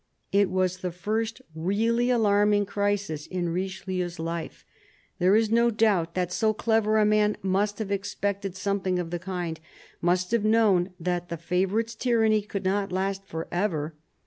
It was the first really alarming crisis in Richelieu's life. There is no doubt that so clever a man must have expected something of the kind, must have known that the favourite's tyranny could not last for ever.